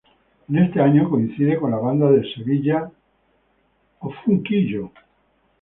En este año coincide con la banda de Sevilla O’Funk’illo.